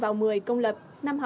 vào một mươi công lập năm học